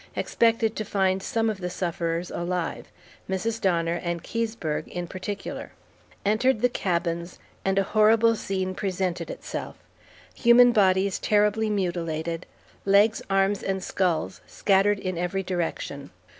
Expected to find some of the sufferers alive. Mrs. Donner and Keseberg in particular. Entered the cabins, and a horrible scene presented itself. Human bodies terribly mutilated, legs, arms, and skulls scattered in every direction.